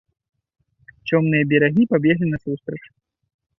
Цёмныя берагі пабеглі насустрач.